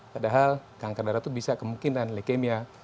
padahal kanker darah itu bisa kemungkinan leukemia